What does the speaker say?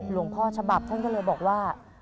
หลวงพ่อฉบับท่านก็เลยบอกว่า